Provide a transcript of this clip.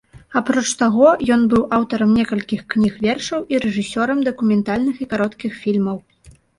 Апроч таго, ён быў аўтарам некалькіх кніг вершаў і рэжысёрам дакументальных і кароткіх фільмаў.